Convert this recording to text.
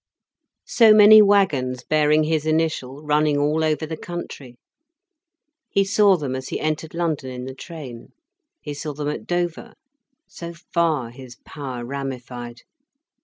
So many wagons, bearing his initial, running all over the country. He saw them as he entered London in the train, he saw them at Dover. So far his power ramified.